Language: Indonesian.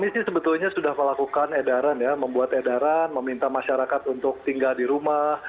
sebelumnya sudah melakukan edaran ya membuat edaran meminta masyarakat untuk tinggal di rumah